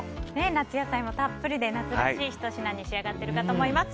夏野菜もたっぷりで夏らしいひと品に仕上がっていると思います。